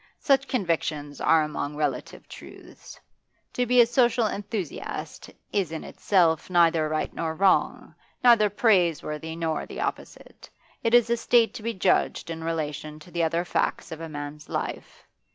Such convictions are among relative truths. To be a social enthusiast is in itself neither right nor wrong, neither praiseworthy nor the opposite; it is a state to be judged in relation to the other facts of a man's life.